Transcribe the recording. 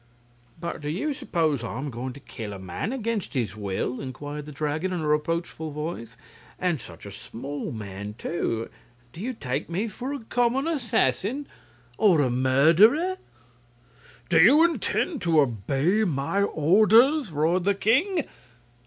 "But do you suppose I'm going to kill a man against his will?" inquired the Dragon, in a reproachful voice; "and such a small man, too! Do you take me for a common assassin or a murderer?" "Do you intend to obey my orders?" roared the king.